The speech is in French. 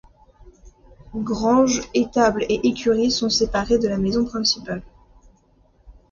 Granges, étables et écuries sont séparées de la maison principale.